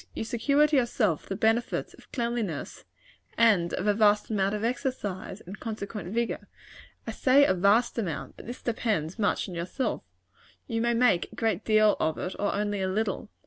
You secure to yourself the benefits of cleanliness, and of a vast amount of exercise, and consequent vigor. I say a vast amount; but this depends much on yourself. You may make a great deal of it, or only a little.